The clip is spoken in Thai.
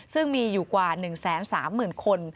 ซึ่งมีอยู่กว่า๑๓๐๐๐คน